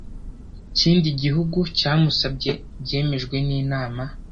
kindi gihugu cyamusabye byemejwe n Inama